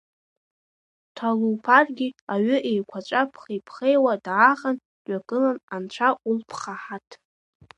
Ҭалуԥаргьы аҩы еиқәаҵәа ԥхеиԥхеиуа даахан, дҩагыланы Анцәа улԥха ҳаҭ!